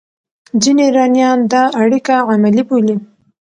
ځینې ایرانیان دا اړیکه عملي بولي.